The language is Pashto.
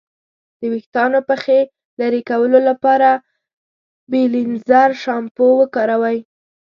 د ویښتانو پخې لرې کولو لپاره بیلینزر شامپو وکاروئ.